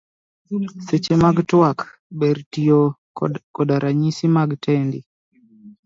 Seche mag twak, ber tiyo koda ranyisi mag dendi.